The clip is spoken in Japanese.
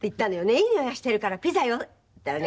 「いいにおいがしてるからピザよ」って言ったらね